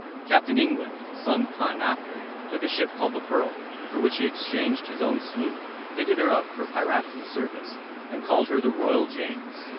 Captain England, some time after, took a ship called the Pearl, for which he exchanged his own sloop, fitted her up for piratical service, and called her the Royal James.